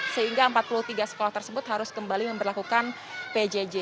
sehingga empat puluh tiga sekolah tersebut harus kembali memperlakukan pjj